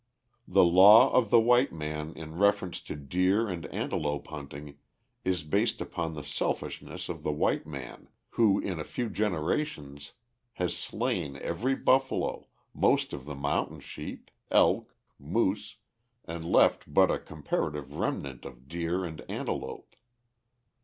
The law of the white man in reference to deer and antelope hunting is based upon the selfishness of the white man, who in a few generations has slain every buffalo, most of the mountain sheep, elk, moose, and left but a comparative remnant of deer and antelope.